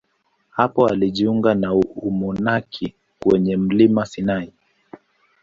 Hapo alijiunga na umonaki kwenye mlima Sinai.